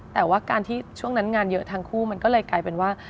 แต่ว่าการที่ช่วงนั้นงานเยอะทั้งคู่มันก็เลยกลายเป็นว่า